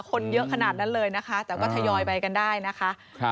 คนเยอะขนาดนั้นเลยนะคะแต่ก็ทยอยไปกันได้นะคะ